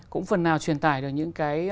cũng phần nào truyền tải được những cái